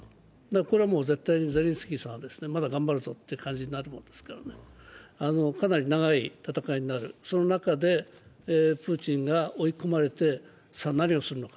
これは絶対にゼレンスキーさんはまだ頑張るぞという感じになりますから、かなり長い戦いになる、その中でプーチンが追い込まれて、さあ何をするのか。